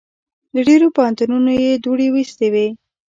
له ډېرو پوهنتونو یې دوړې ویستې وې.